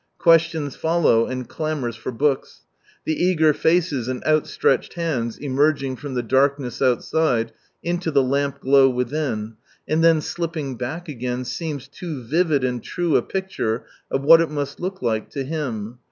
Questions follow, and clamours for books. The eager faces, and outstretched hands, emerging from the darkness outside, into the lamp glow within, and then slipping back again, seems too vivid and true a picture of what it must look like to Him.